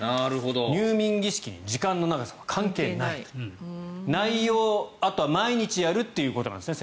入眠儀式に時間の長さは関係ない内容、あとは毎日やるということですね。